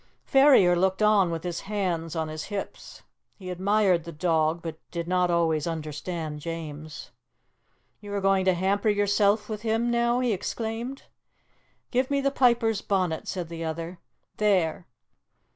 Ferrier looked on with his hands on his hips. He admired the dog, but did not always understand James. "You are going to hamper yourself with him now?" he exclaimed. "Give me the piper's bonnet," said the other. "There!